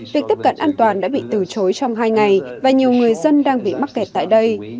việc tiếp cận an toàn đã bị từ chối trong hai ngày và nhiều người dân đang bị mắc kẹt tại đây